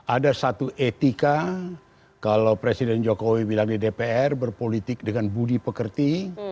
ada satu etika kalau presiden jokowi bilang di dpr berpolitik dengan budi pekerti